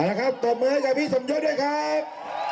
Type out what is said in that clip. เอาละครับตอบมือให้จากพี่สมยนต์ด้วยครับ